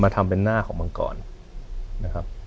ทำเป็นหน้าของมังกรนะครับ